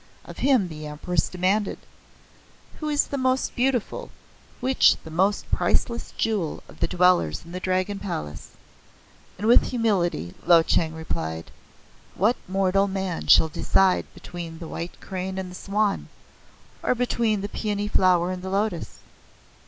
Of him the Empress demanded: "Who is the most beautiful which the most priceless jewel of the dwellers in the Dragon Palace?" And, with humility, Lo Cheng replied: "What mortal man shall decide between the white Crane and the Swan, or between the paeony flower and the lotus?"